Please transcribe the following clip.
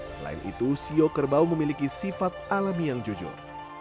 selain itu siok kerbau memiliki sifat alami yang jujur